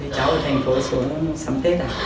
cháu ở thành phố xuống sắm tết à